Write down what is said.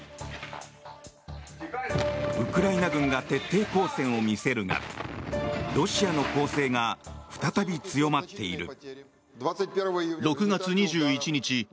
ウクライナ軍が徹底抗戦を見せるがロシアの攻勢が再び強まっている。